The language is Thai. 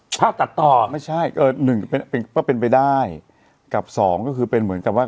ตัดต่อไม่ใช่เออหนึ่งเป็นก็เป็นไปได้กับสองก็คือเป็นเหมือนกับว่า